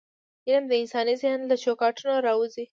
علم د انساني ذهن له چوکاټونه راووځي.